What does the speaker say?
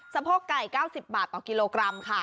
โพกไก่๙๐บาทต่อกิโลกรัมค่ะ